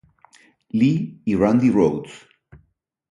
Lee y Randy Rhoads.